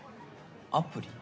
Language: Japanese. アプリ？